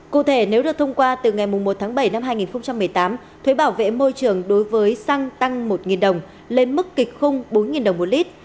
cụ thể nếu được thông qua từ ngày một tháng bảy năm hai nghìn một mươi tám thuế bảo vệ môi trường đối với xăng tăng một đồng lên mức kịch khung bốn đồng một lít